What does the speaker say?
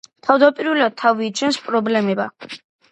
თავდაპირველად თავი იჩინეს პრობლემებმა.